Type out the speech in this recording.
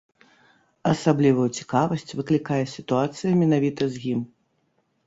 Асаблівую цікавасць выклікае сітуацыя менавіта з ім.